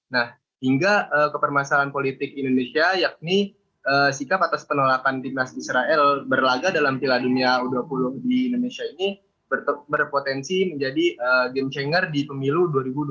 nah hingga kepermasalahan politik indonesia yakni sikap atas penolakan timnas israel berlaga dalam piala dunia u dua puluh di indonesia ini berpotensi menjadi game changer di pemilu dua ribu dua puluh